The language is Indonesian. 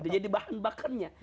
jadi bahan bakarnya